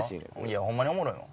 いやホンマにおもろいもん。